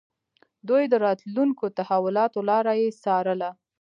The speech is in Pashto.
دوی د راتلونکو تحولاتو لاره يې څارله.